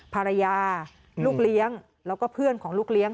ภรรยาลูกเลี้ยงแล้วก็เพื่อนของลูกเลี้ยง